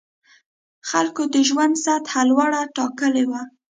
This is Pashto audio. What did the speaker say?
خلکو د ژوند سطح لوړه ټاکلې وه.